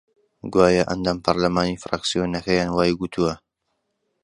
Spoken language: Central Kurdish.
گوایە ئەندام پەرلەمانی فراکسیۆنەکەیان وای گوتووە